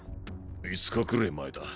５日くれぇ前だ。